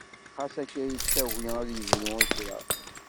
Xas akka yettagi ad yebru i kra.